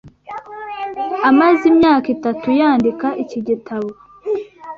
Amaze imyaka itatu yandika iki gitabo.